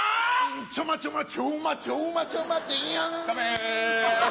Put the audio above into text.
ちょまちょまちょまちょまちょ待てよダメ！